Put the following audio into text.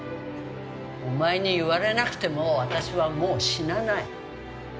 お前に言われなくても私はもう死なない。